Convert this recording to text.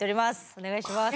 お願いします。